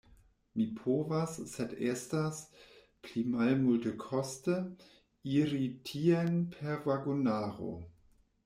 Mi povas, sed estas pli malmultekoste iri tien per vagonaro.